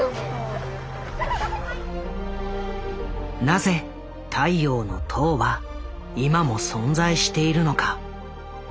なぜ「太陽の塔」は今も存在しているのか。